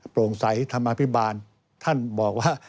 โปร่งใสธรรมอภิบาลท่านบอกว่า